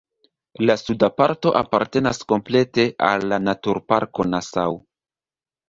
La suda parto apartenas komplete al la naturparko Nassau.